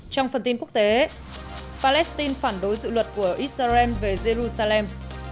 trong phần tin quốc tế palestine phản đối dự luật của israel về jerusalem